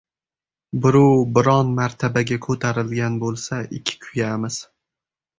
Birov biron martabaga ko‘tarilgan bo‘lsa, ikki kuyamiz!